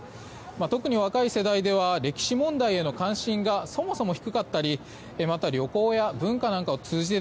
特に若い世代では歴史問題への関心がそもそも低かったりまた、旅行や文化などを通じて